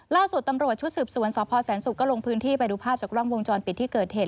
ล่าสุดตำรวจชุดสืบสวนสพแสนศุกร์ก็ลงพื้นที่ไปดูภาพจากกล้องวงจรปิดที่เกิดเหตุ